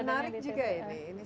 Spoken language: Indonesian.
menarik juga ini